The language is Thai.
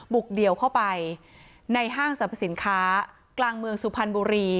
เดี่ยวเข้าไปในห้างสรรพสินค้ากลางเมืองสุพรรณบุรี